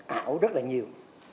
ảo rất là nhiều